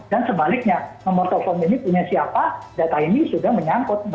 dan sebaliknya nomor telepon ini punya siapa data ini sudah menyangkut